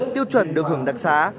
tiêu chuẩn được hưởng đặc sán